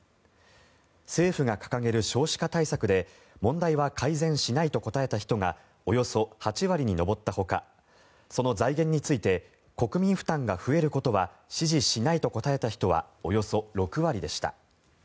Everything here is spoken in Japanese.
政府が掲げる少子化対策で問題は改善しないと答えた人がおよそ８割に上ったほかその財源について国民負担が増えることは支持しないと答えた人はおよそ６割でした。